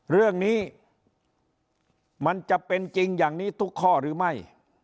เรื่องนี้มันจะเป็นจริงอย่างนี้ทุกข้อหรือไม่